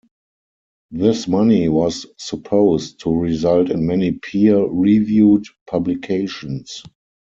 This money was supposed to result in many peer-reviewed publications.